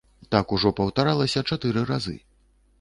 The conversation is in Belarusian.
Так ужо паўтаралася чатыры разы.